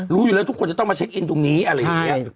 รู้อยู่แล้วทุกคนจะต้องมาเช็คอินตรงนี้อะไรอย่างนี้